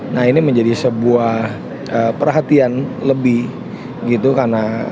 nah ini menjadi sebuah perhatian lebih gitu karena